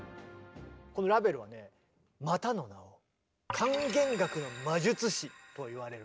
このラヴェルはねまたの名を「管弦楽の魔術師」といわれるんですね。